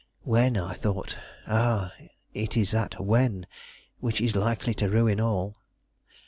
When, I thought. Ah, it is that when which is likely to ruin all!